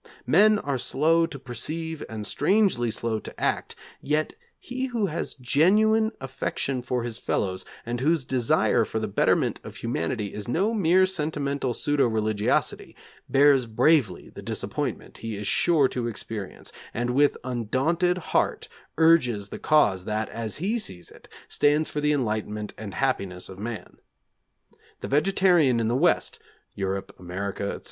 Men are slow to perceive and strangely slow to act, yet he who has genuine affection for his fellows, and whose desire for the betterment of humanity is no mere sentimental pseudo religiosity, bears bravely the disappointment he is sure to experience, and with undaunted heart urges the cause that, as he sees it, stands for the enlightenment and happiness of man. The vegetarian in the West (Europe, America, etc.)